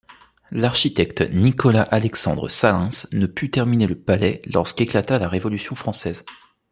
L'architecte Nicolas-Alexandre Salins ne put terminer le palais lorsque éclata la Révolution française.